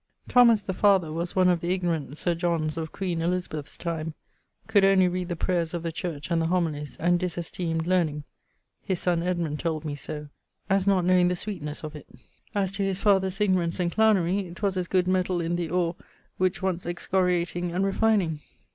] Thomas, the father, was one of the ignorant 'Sir Johns' of queen Elizabeth's time; could only read the prayers of the church and the homilies; and disesteemed learning (his son Edmund told me so), as not knowing the sweetnes of it. As to his father's ignorance and clownery, 'twas as good metall in the oare which wants excoriating and refineing.